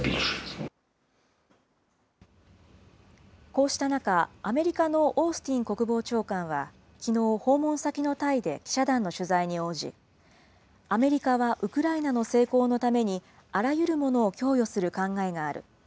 こうした中、アメリカのオースティン国防長官はきのう、訪問先のタイで記者団の取材に応じ、アメリカはウクライナの成功のためにあらゆるものを供与する考えがある。